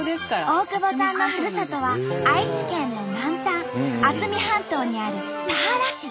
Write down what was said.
大久保さんのふるさとは愛知県の南端渥美半島にある田原市。